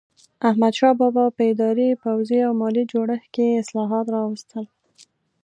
احمدشاه بابا په اداري، پوځي او مالي جوړښت کې اصلاحات راوستل.